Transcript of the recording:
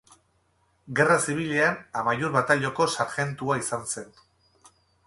Gerra Zibilean Amaiur Batailoiko sarjentua izan zen.